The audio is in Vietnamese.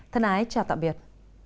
thân ái chào tạm biệt